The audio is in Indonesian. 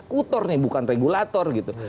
kutor nih bukan regulator gitu